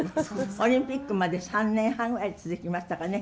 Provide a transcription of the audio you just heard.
オリンピックまで３年半ぐらい続きましたかね。